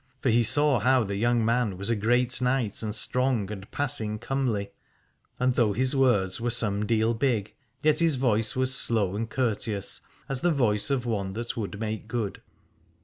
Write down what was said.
For he saw how the young man was a great knight and strong and passing comely: and though his words were some deal big, yet his voice was slow and courteous, as the voice of one that would make good.